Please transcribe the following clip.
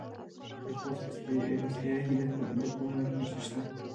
د خوست په سپیره کې د کرومایټ نښې شته.